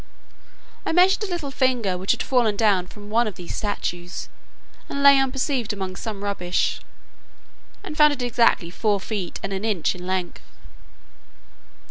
I measured a little finger which had fallen down from one of these statues, and lay unperceived among some rubbish, and found it exactly four feet and an inch in length.